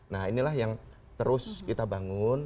nah inilah yang terus kita bangun